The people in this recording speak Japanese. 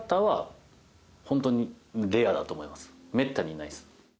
めったにいないです。